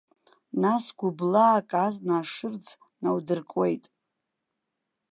Нас гәыблаак азна ашырӡ наудыркуеит.